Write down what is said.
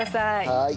はい。